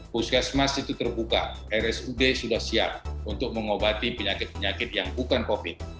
puskesmas itu terbuka rsud sudah siap untuk mengobati penyakit penyakit yang bukan covid